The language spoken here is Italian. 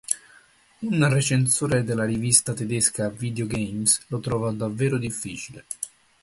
Un recensore della rivista tedesca "Video Games" lo trovò davvero difficile.